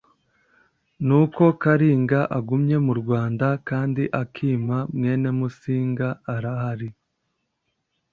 n’uko karinga igumye mu rwanda, kandi ikima mwene musinga arahari